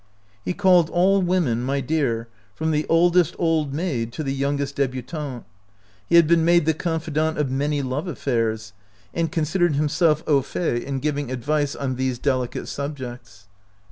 He called all women "my dear," from the oldest old maid to the youngest debutante. He had been made the confidant of many love affairs, and considered himself au fait in 56 OUT OF BOHEMIA giving advice on these delicate subjects.